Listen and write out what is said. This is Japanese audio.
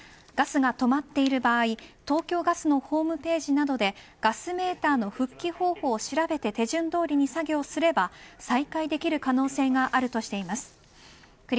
ガスが止まっている場合東京ガスのホームページなどでガスメーターの復帰方法を調べて手順どおりに作業すれば再開できる可能性があるとしています。